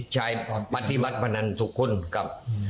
ใช่ปฏิบัติพนันทุกคนกับ